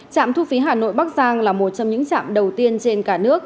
trạm thu phí hà nội bắc giang là một trong những trạm đầu tiên trên cả nước